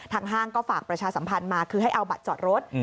ห้างก็ฝากประชาสัมพันธ์มาคือให้เอาบัตรจอดรถ